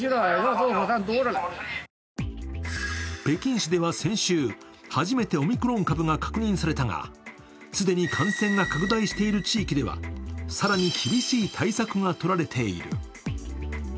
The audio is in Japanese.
北京市では先週、初めてオミクロン株が確認されたが既に感染が拡大している地域では、更に厳しい対策が取られている。